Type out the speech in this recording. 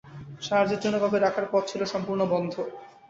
সাহায্যের জন্য কাউকে ডাকার পথ ছিল সম্পূর্ণ বন্ধ।